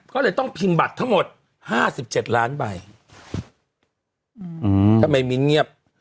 ก็เลยต้องพิมพ์บัตรทั้งหมดห้าสิบเจ็ดล้านใบอืมทำไมมิ้นเงียบ